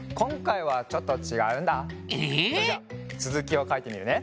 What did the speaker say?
じゃあつづきをかいてみるね。